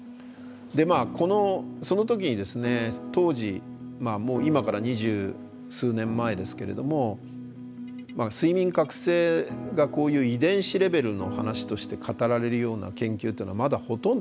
まあこのその時にですね当時今から二十数年前ですけれども睡眠覚醒がこういう遺伝子レベルの話として語られるような研究っていうのはまだほとんどなかったんですね。